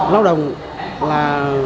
nói đồng là